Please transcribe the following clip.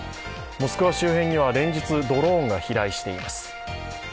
モスクワ周辺には連日、ドローンが飛来しています。